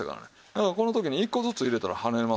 だからこの時に１個ずつ入れたら跳ねますよ。